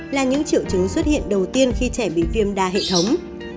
là những triệu chứng xuất hiện đầu tiên khi trẻ bị viêm đa hệ thống